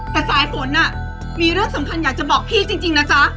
แต่สายฝนมีเรื่องสำคัญอยากจะบอกพี่จริงนะจ๊ะ